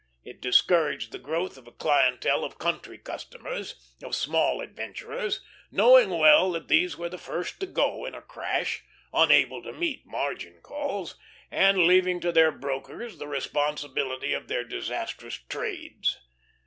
It discouraged the growth of a clientele of country customers, of small adventurers, knowing well that these were the first to go in a crash, unable to meet margin calls, and leaving to their brokers the responsibility of their disastrous trades.